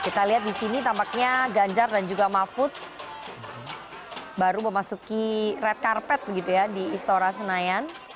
kita lihat di sini tampaknya ganjar dan juga mahfud baru memasuki red carpet begitu ya di istora senayan